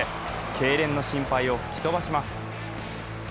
けいれんの心配を吹き飛ばします。